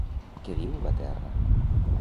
Què diu la terra?